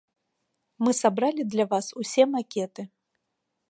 Мы сабралі для вас усе макеты.